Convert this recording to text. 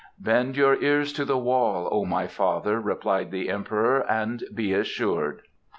"Bend your ears to the wall, O my father," replied the Emperor, "and be assured."